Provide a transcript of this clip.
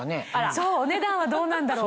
そうお値段はどうなんだろう？